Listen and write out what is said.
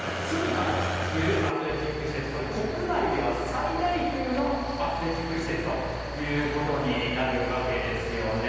ＳＵＭＩＫＡというアスレチック施設、アスレチック施設、国内では最大級のアスレチック施設ということになるわけですよね。